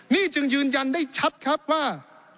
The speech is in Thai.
นี่จึงยืนยันได้ชัดครับว่า